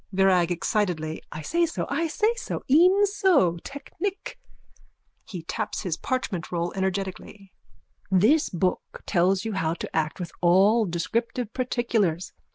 VIRAG: (Excitedly.) I say so. I say so. E'en so. Technic. (He taps his parchmentroll energetically.) This book tells you how to act with all descriptive particulars.